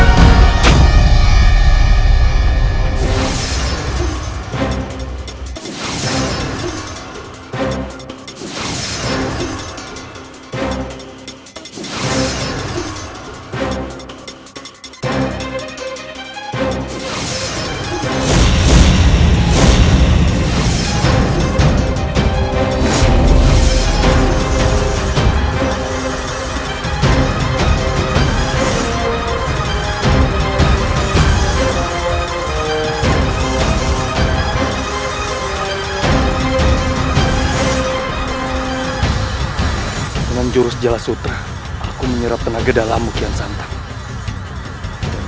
dengan jurus jelas sutra aku menyerap tenaga dalam mukian santan